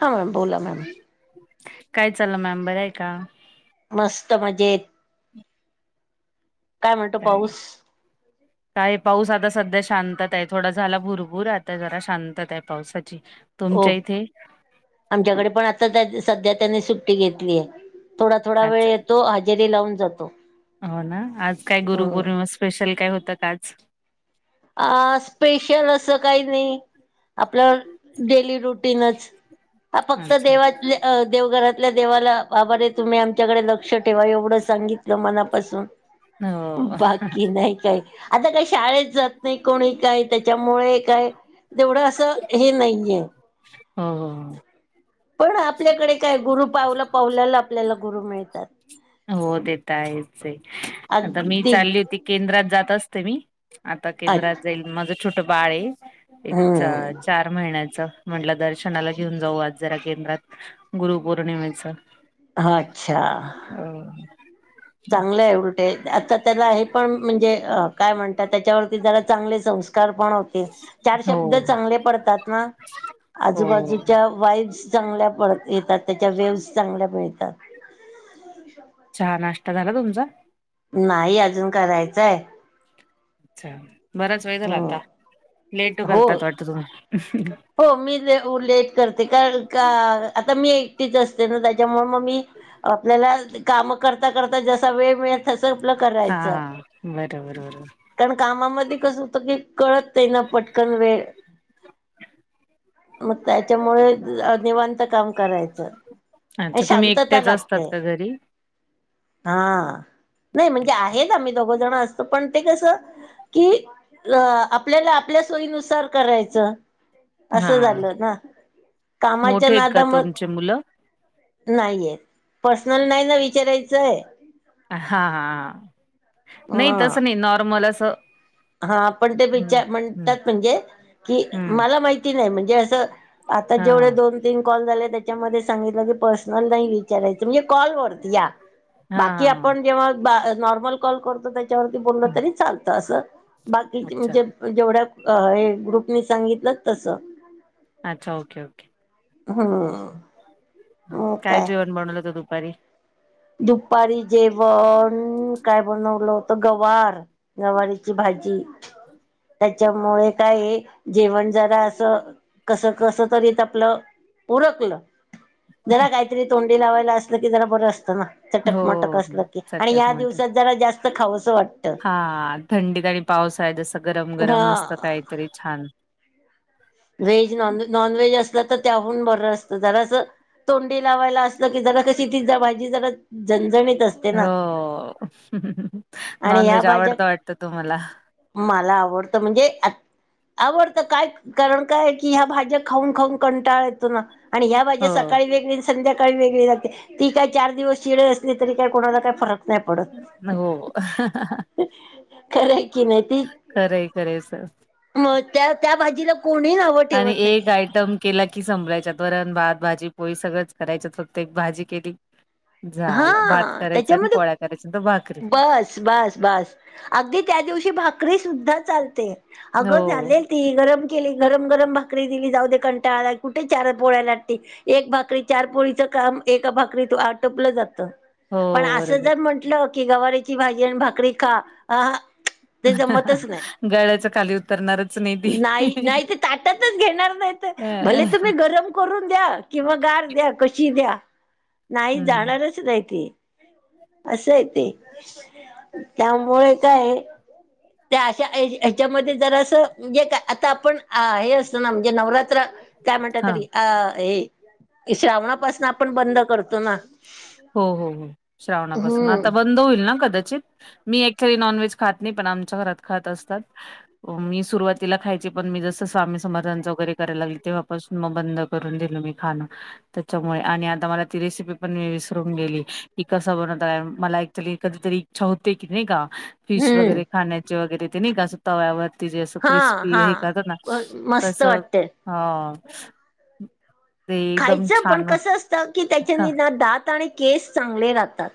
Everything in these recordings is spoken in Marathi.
हा, बोला मॅम काय चाललं मॅम, बरं आहे का? मस्त मजेत काय म्हणतो पाऊस? काय पाऊस आता सध्या शांतता आय. थोडा झाला भुरभूर, आता जरा शांतता आय पावसाची हो तुमच्या इथे आमच्याकडे पण आता त्या सध्या त्यानी सुट्टी घेतली ये. थोडा थोडा वेळ आज येतो आण जेरी लावून जातो. हो ना, आज काय हम्म गुरुपौर्णिमा स्पेशल काय होत का आज आ, स्पेशल असं काही नाही. आपलं डेली रुटीनच, आ फक्त अच्छा देवात अ देवघरातल्या देवाला, बाब रे तुम्ही आमच्याकडे लक् क्ष ठेवा एवढं सांगितलं मनापासून, हो बाकी नाही काय आता काही शाळेत जात नाही, कोणी काही ते त्याच्यामुळे काय जेवढं असं हे नाहीये. हो हो पण आपल्याकडे काय गुरु पावलं पावल्याला आपल्याला गुरु मिळतात. हो तेेत ताईच ये आता मी अगदी चालली होती केंद्रात जात असते मी, आता अ केंद्रात जाईल, माझं छोट बाळ ये. एक चा हम्म चार महिन्याच, म्हंटलं दर्शनाला घेऊन जाऊ आज जरा केंद्रात गुरुपौर्णिमेच अच्छा अ.. चांगलं आहे उलट. ते आता त्याला हे पण म्हणजे काय म्हणतात त्याच्यावरती ज चांगले संस्कार पण हो तील चार हो. शब्द चांगले पडतात हो आजूबाजूच्या वाई, ट चांगल्या प येतात त्याच्या वेव्हस चांगल्या मिळतात. चहा नाश्ता झाला तुमचा? नाही अजून करायचंय. अच्छा बराच वेय झाला आता लेट हो. करतात वाटत तु हो मी लेट करते का का आता मी एकटीच असते ना त्याच्यामुळे मग मी, आपल्याला काम करता करता जसा वेळ मिळ, तस आपलं हा करायचं. हा बरं बरं बरं कारण कामामध्ये कसं होतं की कळत नाई पटकन वेळ. मग त्याच्यामुळे निवांत काम करायचं. च अच्छा तुम्ही शांतता एकट्याच असतात लागते. का घरी? हा नाही म्हणजे आहेच आम्ही दोघं जण आ पण ते कसं की आपल्याला आपल्या सोयीनुसार करायचं. हा असं झालं ना कामाच्या मोठे आहेत का नादा म तुमचे मुलं? नाहीय पर्सनल नाही ना विचारायचंय. हा हा नाही ह तसं नाही नॉर्मल असं, हा ते हम्म विचार म्हणतात हम्म म्हणजे की हम्म मला नाही म्हणजे असं आता हा जेवढे दोन, तीन कॉल झाले त्याच्यामध्ये सांगितलं की पर्सनल नाही विचारायचं म्हणजे कॉल वर या हा हा हा आपण जेव्हा नॉर्मल कॉल करतो त्याच्यावरती हम्म. तरी चालतं अस. बाकीचे अच्छा म्हणजे जेवढ्या ग्रुपनी सांगितलं तस. अच्छा ओके ओके. हम काय जेवण बनवलं होत दुपारी? दुपारी जेवण काय बनवलं होत गवार. गवारीची भाजी. त्याच्यामुळे काय जेवण जरा असं. कस- कस तरीत आपलं उरकलं. जरा काहीतरी तोंडी लावायला असल की जरा बरं असतं ना. हो चटक मटक असलं की आणि चटक या मटक दिवसात जरा जास्त खावसं वाट हा थंडीत आणि पावसाळ्यात आहे जसं गरम- गरम मस्त हा काहीतरी छान. व्हेज, नॉन- नाॅनव्हेज असलं तर त्याहून बरं असतं जरा असं, तोंडी लावायला असल की जरा कशी तीजा भाजी जरा झणझणीत अस हो [inaudible] आणि या नॉनव्हेज भाज्या आवडत वाटत तूम्हाला? मला आवडतं म्हणजे, आत-आवडत काय क कारण काय की ह्या भाज्या खाऊन- खाऊन कंटाळा येतो ना आणि ह्या भाज्या हो. सकाळी वेगळी संध्याकाळी वेगळी लागते ती काय चार दिवस शिळी असली तरी काय कोणाला काय फरक न हो [inaudible] खराय की नाही ते खरंय, खरंय सर. मग त्या -त्या भाजीला कोणी नावं आणि ठेवत नाही. एक आयटम केला की संभळायच्यात वरण, भात, भाजी, पोळी सगळंच करायच्या. फक्त एक भाजी केली. झालं. भात हा करायचा आणि त्याच्यामध्ये पोळ्या करायच्या आणि भाकरी. बस -बास -बास अगदी त्या दिवशी भाकरी सुद्धा चालते अग हो. झाले ती गरम केली गरम गरम भाकरी दिली जाऊ दे कंटाळा कुठ चार पोळ्या लाटती. एक भाकरी चार पोळीचं काम एका भाकरीत आट टपलं जात, हो पण असं बरोबर. जर म्हंटलं की गवारीची भाजी आणि भाकरी खा अह हां ते जमतच नाही, गळ्याच्या खाली उतरणारच नाही ती. नाही नाही ते ताटतच घेणार नाहीत. त भले अ तुम्ही गरम करून द्या किंवा गार द्या कशी द्या नाही हं. जाणारच नाही ती. असय ते त्यामुळे काय त्या अशा ये हेच्यामध्ये जरास म्हणजे का आता आपण हे असत ना म्हणजे नवरात्र काय म्हणत हां. तरी अह हे की श्रावणापासून आपण बंद करतो ना. हो हो हो श्रावणापासून हम्म आता बंद होईल ना कदाचित मी ऍक्च्युली नॉनव्हेज खात नाही पण आमच्या घरात खात असतात. मी सुरुवातीला खायचे पण मी जसं स्वामी समर्थांच वगैरे करायला लागली तेव्हा पासू मग बंद करून दिल मी खाण त्याच्यामुळे आणि आता मला ती रेसिपी पण मी विसरून गेली की कस बनवता. मला एक्चुली कधीतरी इच्छा होते की नाही का फिश हम्म वगैरे खाण्याचे वगैरे ते नाही का ते अस तव्यावरती जे असं हा क्रिस्पी हे करत ना हा मस्त तस वाटते हा. ते एकदम खायचं पण छान कसं असतं की हा त्याच्याने ना दात आणि केस चांगले राहतात.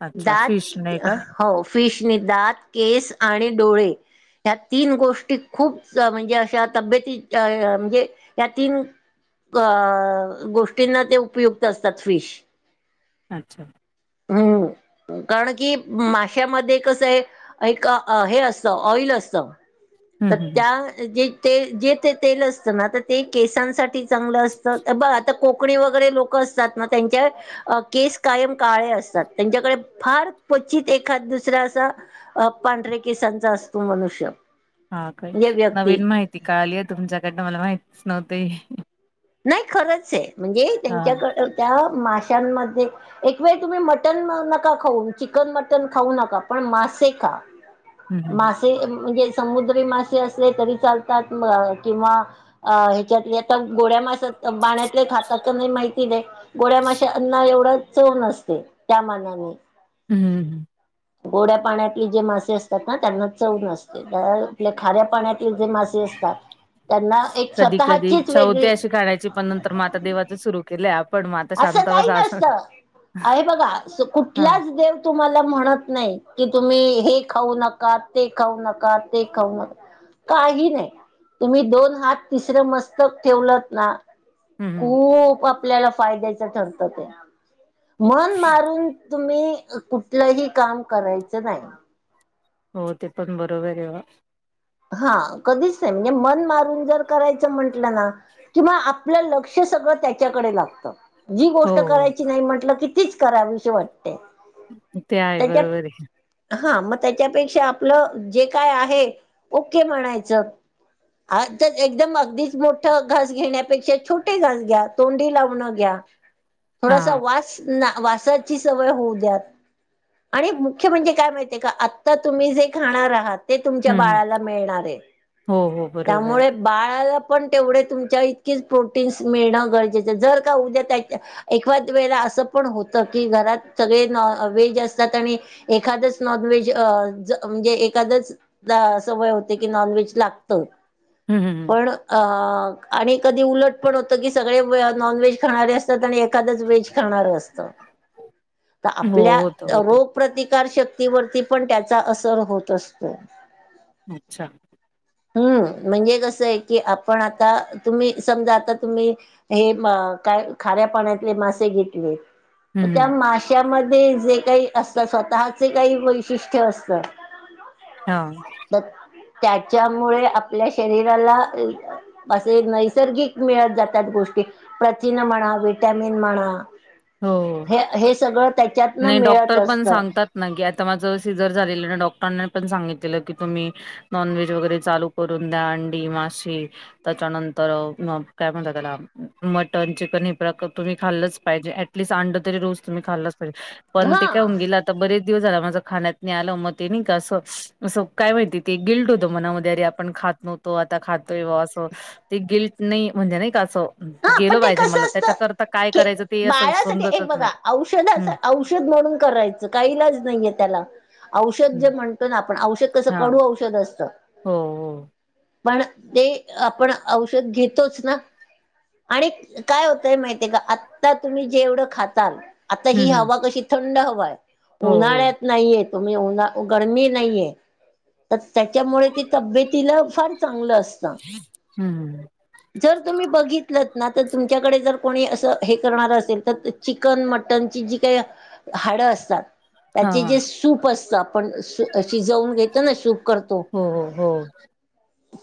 अच्छा दात फिश नाही का हो फिशने दात, केस आणि डोळे. ह्या तीन गोष्टी खूप म्हणजे अशा तब्यती अह म्हणजे ह्या तीन क अह गोष्टींना ते उपयुक्त असतात फिश. अच्छा. हम्म. कारण की माश्यामध्ये कसय एक हे असतं ऑइल असत. हम्म तर हम्म हम्म त्या जे ते जे ते तेल असतं ना तर ते केसांसाठी चांगलं असतं ब आता कोकणी वगैरे लोक अस तात म त्यांच्या अह केस कायम काळे असतात त्यांच्याकडे फार क्वचित एखाद दुसरा असा अह पांढरे केसांचा असतो मनुष्य. हा काय, म्हणजे व्यक्ती नवीन माहिती कळालिय तुमच्याकडनं मला माहितीच नव्हती. नाही खरंच आह म्हणजे हा त्यांच्याकड त्या माशांमध्ये एक वेळ तुम्ही मटण नका खाऊ चिकन, मटन खाऊ नका पण मासे खा. हम्म हम्म मासे म्हणजे समुद्री मासे असले तरी चालतात म किंवा अ ह्याच्यातली आता गोड्या मासात पाण्यातले खातात की नाही माहिती नाही. गोड्या माश्या अन्न एवढं चव नसते त्या मानाने. हम्म. हम्म. गोड्या पाण्यातली जे मासे असतात ना त्यांना चव नसते अह आपल्या खऱ्या पाण्यातले जे मासे से असतात त्यांना एक कधी कधी स्वतःचीच इच्छा होते वेगळी अशी खाण्याची पण नंतर मग आता देवाच सुरू केलय आपण [unintelligible] असं काही बसा असं नसत हे बघा हा कुठलाच देव तुम्हाला म्हणत नाही की तुम्ही हे खाऊ नका, ते खाऊ नका, ते खाऊ नका. काही नाही तुम्ही दोन हात तिसरं मस्तक ठेवलत ना हम्म हम्म खूप आपल्याला फायद्याच ठरत ते. मन मारून तुम्ही कुठलंही काम करायचं नाय. हो ते पण बरोबर आहे वा हा कधीच नाही म्हणजे मन मारून जर करायचं म्हटलं ना किमान आपलं लक्ष सगळं त्यांच्याकडे लागतं जी गोष्ट हो करायची नाही म्हटलं की तीच करावीशी वाटते. ते आहे त्याच्यात बरोबर आहे. हा मग त्यांच्यापेक्षा आपलं जे काय आहे ओके म्हणायचं आ तर एकदम अगदीच मोठं घास घेण्यापेक्षा छोटे घास घ्या तोंडी लावणं घ्या. हा थोडासा वास ना वासाची सवय होऊ द्या आणि मुख्य म्हणजे काय माहिती आहे, का आता तुम्ही जे खाणार आहात ते तुमच्या हम्म हम्म. बाळाला येणार आहे हो हो बरोबर आहे. त्यामुळे बाळाला पण तेवढे तुमच्या इतकीच प्रोटीन्स मिळणं गरजेचं जर का उद्या त्यांच्या एकाद वेळेला असं पण होत की घरात सगळे नॉ व्हेज असतात आणि एखादच नॉन व्हेज म्हणजे एखादच वय होते की नॉनव्हेज लागतं हम्म हम्म हं पण अं आणि कधी उलट पण होतं की सगळे नॉन व्हेज खाणारे अस एखादच व्हेज खाणार असतं तर हम्म. हो आपल्या होतं होतं रोग प्रतिकार शक्तीवरती पण त्यांचा असर होत असतो. अच्छा हम्म म्हणजे कसं आहे की आपण आता तुम्ही समजा आता तुम्ही हे म काय खऱ्या पाण्यातले मासे [inaudible] हम्म त्या हम्म. माश्यामध्ये जे काही असतात स्वतःचे काही वैशिष्ट्य असतं हा तर त्यांच्यामुळे आपल्या शरीराला असे नैसर्गिक मिळत जात्यात गोष्टी प्रथिने म्हणा व्हिटॅमिन म्हणा हो हो हे हे सगळं त्याच्यांतन मिळत डॉक्टर पण असतं सांगतात नाही आता माझं सिझर झालेलं ना डॉक्टरांनी पण सांगितलेलं की तुम्ही नॉनव्हेज वगैरे चा करून द्या अंडी मासी त्याच्यानंतर काय म्हणता त्याला मटन चिकन हे प्रकार तुम्ही खाल्लंच पाहिजे ॲडलिस अंडं तरी रोज तुम्ही खाल्लाच पाहिजे पण ते काय हा [inaudible] आता बरेच दिवस आला माझं खाण्यात आलं मग ते नाही का असं असं काय माहिती ते गिल्ट होत मनांमध्ये अरे, आ आपण खात नव्हतो आता खातोय ब असं ते गिल्ट नाही म्हणजे नाही का असं हा पण गेलं ते पाहिजे मला कसं असतं त्याच्याकरिता काय खे करायचं ते असं बाळासाठी एक समजतच बघा नाही औषधांच हम्म औषध म्हणून करायचं काही इलाज नाहीये त्याला. औषध जे हम्म म्हणतो ना आपण औषध कसं हा कडू औषध असतं. हो हो. पण ते आपण औषध घेतोच ना. आणि काय होतंय माहितेय का आता तुम्ही जेवढं खाताल आता हं, ही हं. हवा कशी थंड हवा आहे हो, हो. उन्हाळ्यात नाहीये तुम्ही उन्हा गरमी नाहीये. तर त्यांच्यामुळे ते तब्येतीला फार चांगलं असतं. हम्म जर तुम्ही बघितलंत ना तर तुमच्याकडे जर कोणी असं हे करणार असेल तर चिकन मटनची जी काही हाडं असतात. हां, त्याचे हां. जे सूप असत आपण शिजवून घेतो ना सूप करतो हो, हो, हो.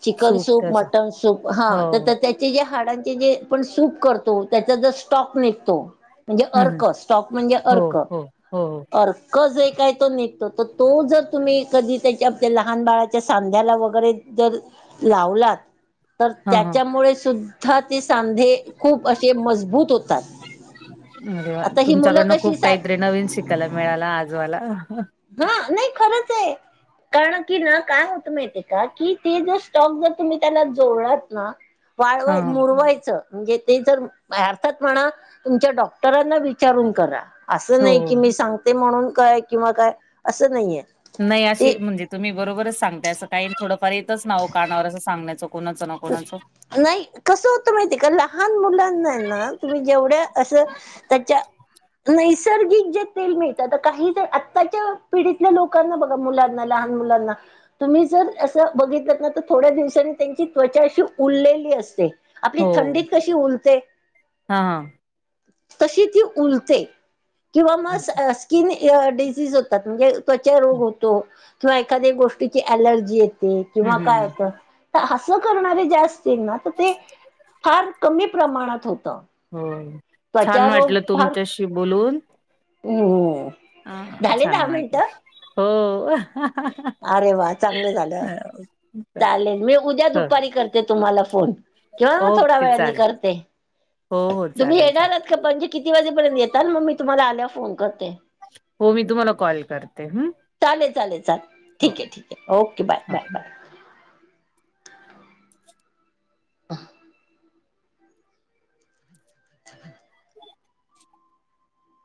चिकन सूप, मटन सूप हा. हो, तर हो. त्याचे जे हाडांचे जे आपण सूप करतो त्याचा जर स्टॉक निघतो. म्हणजे हं, हं. अर्क स्टॉक म्हणजे हो, अर्क, हो. हो, हो. अ कज जे आहे काय तो निघतो तर तो जर तुम्ही कधी त्याच्या लहान बाळाच्या सांध्याला वगैरे जर लावलात तर हां, हां. त्यांच्यामुळे सुद्धा ते सांधे खूप असे मजबूत होतात. अरे वा आता ही मुलं तुमच्याकडनं कशी खूप सा काही तरी नवीन शिकायला मिळाल आज मला. हा नाही खरंच आहे. कारण की ना काय होत माहितीय का की ते जर स्टॉक जर तुम्ही त्याला जोडलात ना वाळवाय हां. मुरवायचं. म्हणजे ते जर अर्थात म्हणा तुमच्या डॉक्टरांना विचारून करा. असं हो, नाही की हो. मी सांगते म्हणून काय किंवा काय असं नाहीय. नाही अशी म्हणजे तुम्ही बरोबरच सांगताय असं काही थोड फार येतच नाव कानावर असं सांगण्याचो कोणाचं ना कोणाचं. नाही कसं होतं माहिती आहे का लहान मुलांना ना तुम्ही जेवढ्या असं त्याच्या नैसर्गिक जे तेल मिळतात काही ज आत्ताच्या पिढीतल्या लोकांना बघ मुलाना लहान मुलांना तुम्ही जर अस बघितलत ना तर थोड्या दिवसानी त्यांची त्वचा अशी उललेली असते, आपली हो. थंडीत कशी उलते. हां हां. तशी ती उलते किंवा मग अस अच्छा. स स्किन या डिनीज होतात म्हणजे त्वचा रोग हं, होतो. किंवा एखाद्या गोष्टीची ऍलर्जी येते हं. किंवा काय हं. होतं तर असं करणारे जास्त ते ना तर ते फार कमी प्रमाणात होत. हो छान त्वचारोग वाटलं तुमच्याशी बोलून. हो हो ह छान वाटल हो. अरे वा चांगलं झालं. हो. चालेल मी उद्या हो. दुपारी करते तुम्हाला फोन किंवा थोड्या ओके वेळानी चालेल. करते. हो हो चालेल. येेणार चालेल. आहेत का म्हणजे किती वाजेपर्यंत येेताल मग मी तुम्हाला आल्यावर फोन करते. हो मी तुम्हाला कॉल करते हम्म. चालेल, चालेल, चालेल, ठीक आहे, ठीक आहे, ओके, बाय हो. Bye bye. [inaudible] [inaudible]